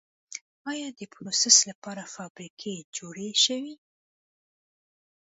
آیا دپروسس لپاره فابریکې جوړې شوي؟